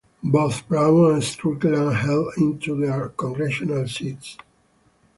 Both Brown and Strickland held onto their congressional seats.